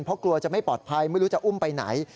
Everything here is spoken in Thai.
เพราะกลัวจะไม่ปลอดภัยไม่รู้จะอุ้มไปไหน